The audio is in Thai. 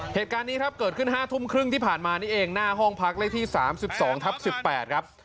เหตุการณ์นี้ครับเกิดขึ้น๕ทุ่มครึ่งที่ผ่านมานี่เองหน้าห้องพักเลขที่๓๒ทับ๑๘ครับ